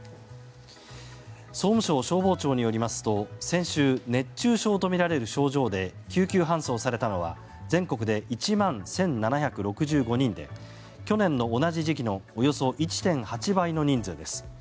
総務省消防庁によりますと先週、熱中症とみられる症状で救急搬送されたのは全国で１万１７６５人で去年の同じ時期のおよそ１．８倍の人数です。